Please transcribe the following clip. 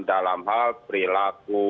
dalam hal perilaku